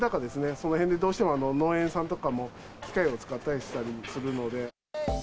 そのへんでどうしても、農園さんとかも機械を使ったりしたりするので。